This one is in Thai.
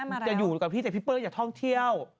เพราะเขาอยากอยู่กับพี่แต่พี่เปิ๊ยอยากท่องเที่ยว